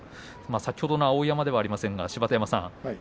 先ほどの碧山ではありませんが芝田山さん